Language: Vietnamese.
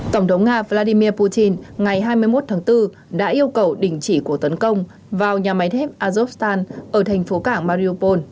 tổng thống nga vladimir putin ngày hai mươi một tháng bốn đã yêu cầu đình chỉ của tấn công vào nhà máy thép azovstan ở thành phố cảng mariupol